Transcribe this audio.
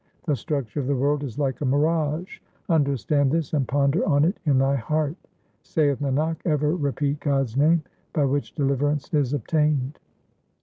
The structure of the world is like a mirage ; understand this and ponder on it in thy heart. Saith Nanak, ever repeat God's name by which deliverance is obtained.